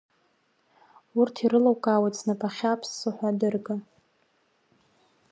Урҭ ирылукаауеит знапы ахьы аԥссо ҳәа адырга.